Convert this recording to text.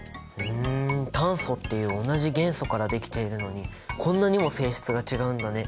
ふん炭素っていう同じ元素からできているのにこんなにも性質が違うんだね。